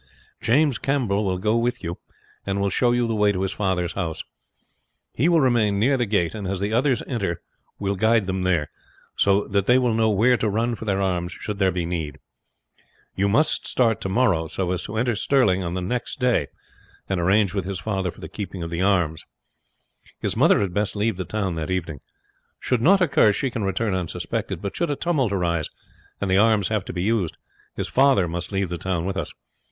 James Campbell will go with you, and will show you the way to his father's house. He will remain near the gate, and as the others enter will guide them there, so that they will know where to run for their arms should there be need. You must start tomorrow, so as to enter Stirling on the next day and arrange with his father for the keeping of the arms. His mother had best leave the town that evening. Should nought occur she can return unsuspected; but should a tumult arise, and the arms have to be used, his father must leave the town with us.